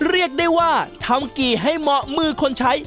เรียกได้ว่าทำกี่ให้เหมาะมือคนใช้